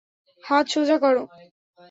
হাত সোজা করো।